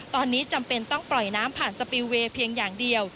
ตอนนี้จำเป็นต้องปล่อยน้ำผ่านสปิลเวย์เพียงอย่างเดียว